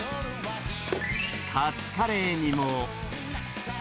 カツカレーにも。